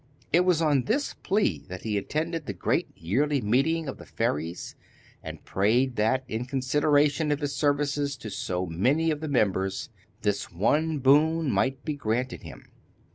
It was on this plea that he attended the great yearly meeting of the fairies, and prayed that, in consideration of his services to so many of the members, this one boon might be granted him.